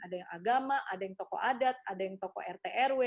ada yang agama ada yang tokoh adat ada yang tokoh rtrw